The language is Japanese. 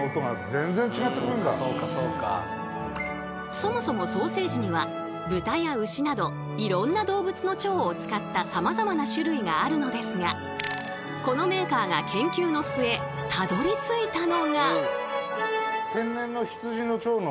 そもそもソーセージには豚や牛などいろんな動物の腸を使ったさまざまな種類があるのですがこのメーカーが研究の末たどりついたのが。